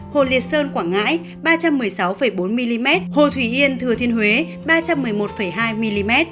hồ liệt sơn quảng ngãi ba trăm một mươi sáu bốn mm hồ thủy yên thừa thiên huế ba trăm một mươi một hai mm